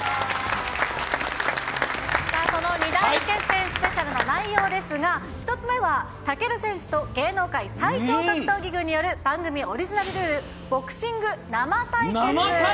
その２大決戦スペシャルの内容ですが、１つ目は武尊選手と芸能界最強格闘技軍による番組オリジナルルール、ボクシング生対決！